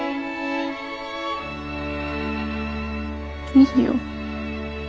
いいよ。